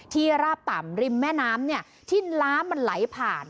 ที่ลาดต่ำริมแม่น้ำเนี่ยที่ล้ามันไหลผ่าน